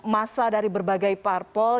masa dari berbagai parpol